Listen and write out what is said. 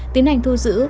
tiến hành thu giữ